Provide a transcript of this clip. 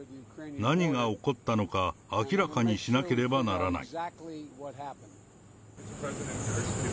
何が起こったのか明らかにしなければならない。